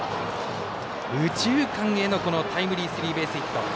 右中間へのタイムリースリーベースヒット。